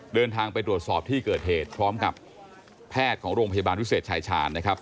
เดินทางไปตรวจสอบที่เกิดเหตุพร้อมกับแพทย์ของโรงพยาบาลวิเศษชายชาญนะครับ